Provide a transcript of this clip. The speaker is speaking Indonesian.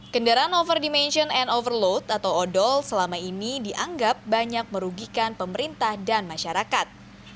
kendaraan overdimension and overload atau odol selama ini dianggap banyak merugikan pemerintah dan masyarakat